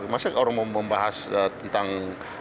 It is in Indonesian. masa orang mau membahas tentang